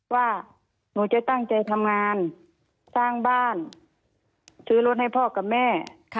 ว่าหนูจะตั้งใจทำงานสร้างบ้านซื้อรถให้พ่อกับแม่